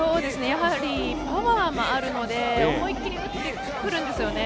パワーもあるので、思い切り打ってくるんですよね。